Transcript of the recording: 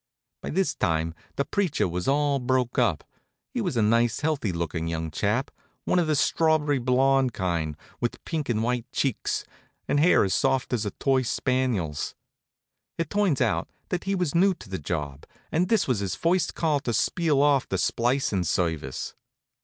By this time the preacher was all broke up. He was a nice healthy lookin' young chap, one of the strawb'ry blond kind, with pink and white cheeks, and hair as soft as a toy spaniel's. It turns out that he was new to the job, and this was his first call to spiel off the splicin' service.